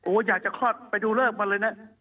อยากจะคลอดไปดูเลิกมันเลยนะ